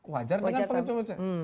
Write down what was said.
wajar dengan pengocor pengocornya